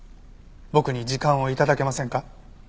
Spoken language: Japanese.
僕に時間を頂けませんか？